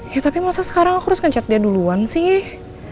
ya tapi masa sekarang aku harus ngecet dia duluan sih